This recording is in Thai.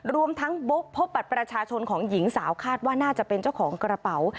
รวมทั้งพบบัตรประชาชนของหญิงสาวคาดว่าน่าจะเป็นเจ้าของกระเป๋า